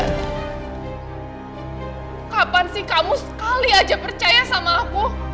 kapan sih kamu sekali aja percaya sama aku